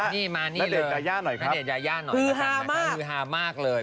นั่นเด็ดยาย่านหน่อยมีคือหามากเลย